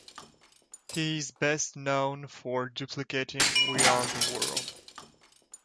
He is best known for duplicating We Are the World.